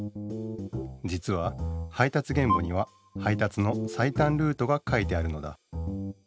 じつは配達原簿には配達の最短ルートが書いてあるのだ。